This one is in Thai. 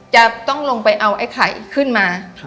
จะต้องลงไปเอาไอ้ไข่ขึ้นมา